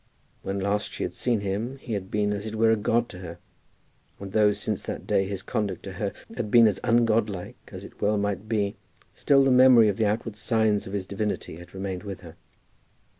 When last she had seen him he had been as it were a god to her; and though, since that day, his conduct to her had been as ungodlike as it well might be, still the memory of the outward signs of his divinity had remained with her.